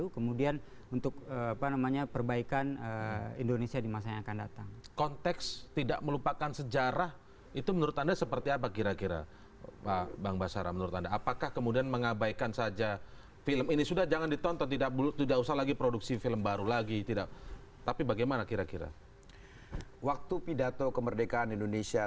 neoimperialisme dan kolonialisme yang memang tidak menginginkan kemerdekaan indonesia